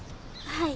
はい。